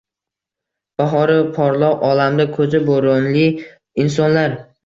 Bahori porloq olamda koʻzi boʻronli insonlar